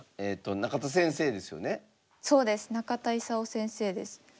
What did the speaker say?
中田功先生です。